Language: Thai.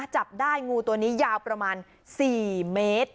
จับได้งูตัวนี้ยาวประมาณ๔เมตร